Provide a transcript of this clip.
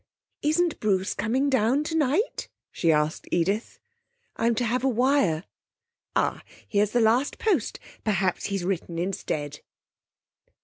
'Isn't Bruce coming down tonight?' she asked Edith. 'I'm to have a wire.' 'Ah, here's the last post. Perhaps he's written instead.'